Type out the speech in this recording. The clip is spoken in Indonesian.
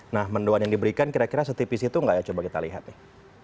nah mendoan yang diberikan kira kira setipis itu nggak ya coba kita lihat deh